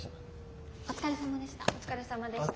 お疲れさまでした。